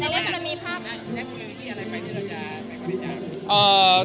ดังนั้นจะมีภาพงานอะไรที่เราจะไปความได้จาก